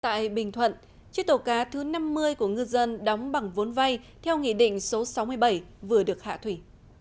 tại bình thuận chiếc tàu cá thứ năm mươi của ngư dân đóng bằng vốn vay theo nghị định số sáu mươi bảy vừa được hạ thủy